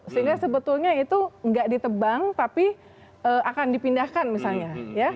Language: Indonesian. sehingga sebetulnya itu nggak ditebang tapi akan dipindahkan misalnya